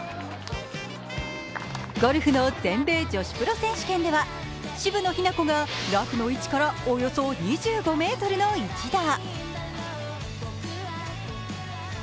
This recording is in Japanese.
ゴルフの全米女子選手権では、渋野日向子がラフの位置からおよそ２５ｍの１打。